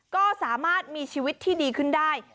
ก็สามารถมีชีวิตที่ดีขึ้นได้